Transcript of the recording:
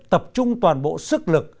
tập trung toàn bộ sức lực